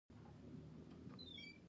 هرڅه د هغه لپاره ښه دي.